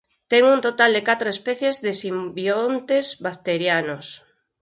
Ten un total de catro especies de simbiontes bacterianos.